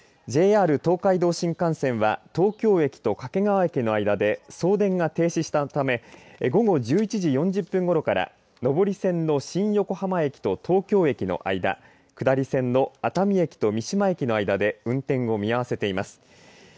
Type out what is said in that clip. ＪＲ東海道新幹線は東京駅と掛川駅の間で送電が停止したため午後１１時４０分ごろから上り線の新横浜駅と東京駅の間で下り線の熱海駅と三島駅間で運転を見合わせています。